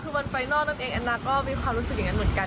คือวันไฟนอลนั่นเองแอนนาก็มีความรู้สึกอย่างนั้นเหมือนกัน